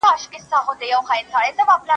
¬ ړوند يو وار امسا ورکوي.